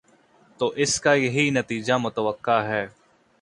تو اس کا یہی نتیجہ متوقع ہے۔